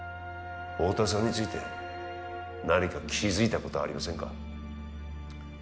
太田さんについて何か気づいたことありませんか？